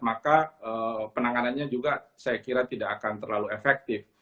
maka penanganannya juga saya kira tidak akan terlalu efektif